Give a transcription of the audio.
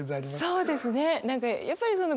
そうですね